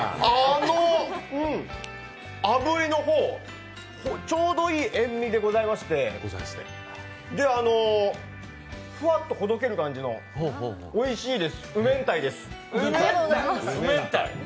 あぶりの方、ちょうどいい塩みでございまして、ふわっとほどける感じのおいしいです、うめんたいです。